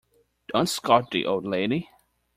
Don't scold the old lady.